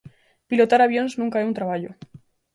Pilotar avións nunca é un traballo.